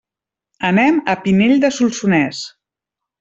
Anem a Pinell de Solsonès.